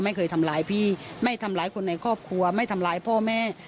ไม่เคยทำร้ายพี่ไม่ทำร้ายคนในครอบครัวไม่ทำร้ายพ่อแม่